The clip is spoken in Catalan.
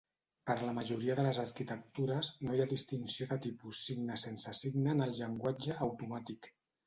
Per a la majoria de les arquitectures, no hi ha distinció de tipus signe-sense signe en el llenguatge automàtic.